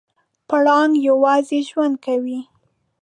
پړانګ یوازې ژوند کوي.